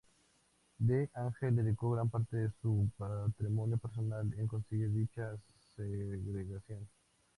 D. Ángel dedicó gran parte de su patrimonio personal en conseguir dicha segregación.